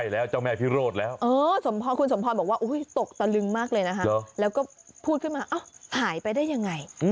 แล้วก็พูดขึ้นมาอ้าวหายไปได้ยังไง